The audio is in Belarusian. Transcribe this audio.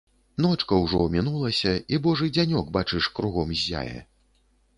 Ночка ўжо мінулася, і божы дзянёк, бачыш, кругом ззяе.